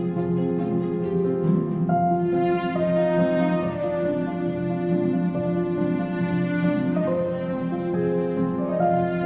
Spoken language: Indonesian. pak ini hasilnya